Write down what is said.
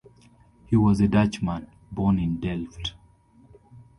He was a Dutchman, born in Delft.